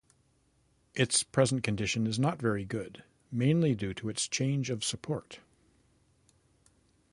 Its present condition is not very good, mainly due to its change of support.